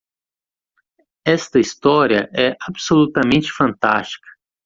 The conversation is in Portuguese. Esta história é absolutamente fantástica!